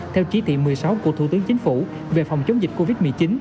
theo chỉ thị một mươi sáu của thủ tướng chính phủ về phòng chống dịch covid một mươi chín